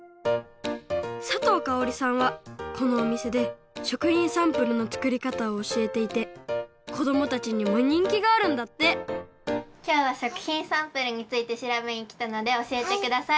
佐藤香央里さんはこのおみせで食品サンプルのつくりかたをおしえていてこどもたちにもにんきがあるんだってきょうは食品サンプルについてしらべにきたのでおしえてください。